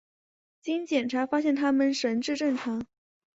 经精神检查发现他们神智正常。